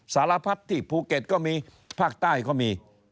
สารพัดที่ภูเก็ตก็มีภาคใต้ก็มี